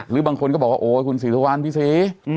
หรือบางคนก็บอกว่าโอ๊ยคุณศรีสุวรรณพี่ศรี